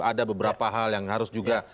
ada beberapa hal yang harus juga